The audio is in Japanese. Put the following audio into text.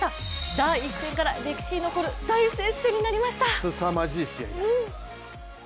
第１戦から歴史に残る大接戦になりました。